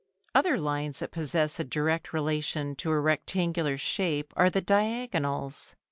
Other lines that possess a direct relation to a rectangular shape are the diagonals.